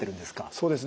そうですね。